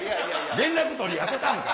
連絡取り合ってたんか？